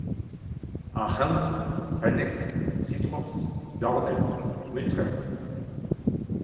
arc’hant, pennek, sitroñs, dornell, muntrer